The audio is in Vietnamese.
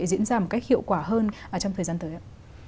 diễn ra một cách hiệu quả hơn trong thời gian tới ạ